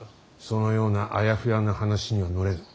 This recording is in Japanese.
そのようなあやふやな話には乗れぬ。